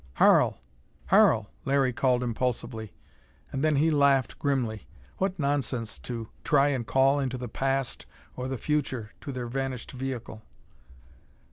"Harl! Harl!" Larry called impulsively. And then he laughed grimly. What nonsense to try and call into the past or the future to their vanished vehicle!